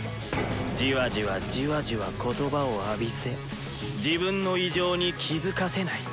じわじわじわじわ言葉を浴びせ自分の異常に気付かせない。